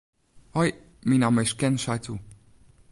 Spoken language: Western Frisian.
Hoi, myn namme is Ken Saitou.